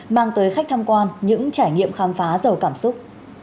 mang tới khách tham quan những trải nghiệm khám phá giàu cảm xúc